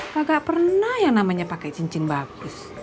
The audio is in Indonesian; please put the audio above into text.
kagak pernah yang namanya pake cincin bagus